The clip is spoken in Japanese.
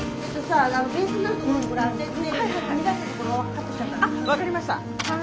あっ分かりました。